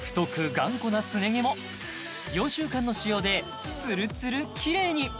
頑固なすね毛も４週間の使用でツルツルキレイに！